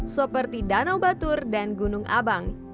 seperti danau batur dan gunung abang